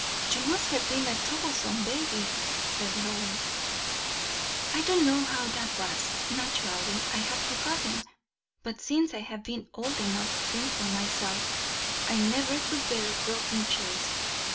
"You must have been a troublesome baby," said Lois. "I don't know how that was; naturally I have forgotten; but since I have been old enough to think for myself, I never could bear rocking chairs.